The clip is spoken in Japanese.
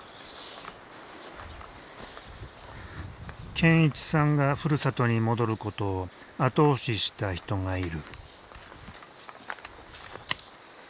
健一さんがふるさとに戻ることを後押しした人がいる。